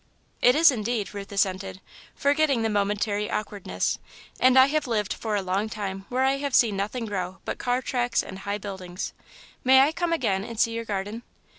"It is indeed," Ruth assented, forgetting the momentary awkwardness, "and I have lived for a long time where I have seen nothing grow but car tracks and high buildings. May I come again and see your garden?"